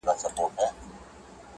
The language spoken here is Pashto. تاسي زما كيسې ته غوږ نيسئ يارانو٫